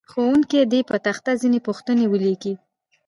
ښوونکی دې په تخته ځینې پوښتنې ولیکي.